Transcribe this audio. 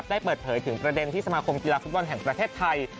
ได้เปิดเผยถึงประเด็นที่สมาคมกีฬาฟุตบอลแห่งประเทศไทย